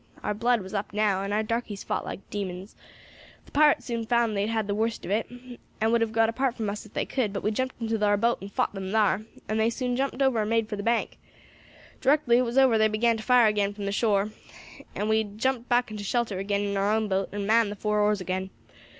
Our blood was up now, and our darkies fought like demons. The pirates soon found they had the worst of it, and would have got apart from us if they could; but we jumped into thar boat and fought them thar, and they soon jumped over and made for the bank. Directly it was over they began to fire agin from the shore, and we jumped back into shelter agin in our own boat and manned the four oars agin.